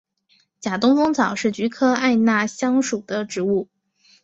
假东风草是菊科艾纳香属的植物。